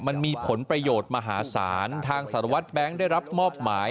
มันมีผลประโยชน์มหาศาลทางสารวัตรแบงค์ได้รับมอบหมาย